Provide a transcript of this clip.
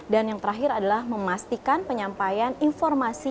dan yang terakhir adalah memastikan penyampaian informasi